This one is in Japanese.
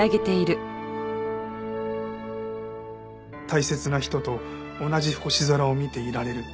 大切な人と同じ星空を見ていられる。